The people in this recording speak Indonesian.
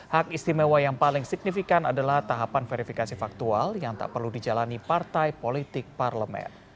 hak istimewa yang paling signifikan adalah tahapan verifikasi faktual yang tak perlu dijalani partai politik parlemen